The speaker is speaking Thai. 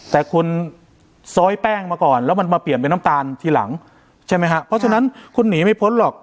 แต่คุณซ้อยแป้งมาก่อนแล้วมันมาเปลี่ยนเป็นน้ำตาลทีหลังใช่ไหมฮะเพราะฉะนั้นคุณหนีไม่พ้นหรอก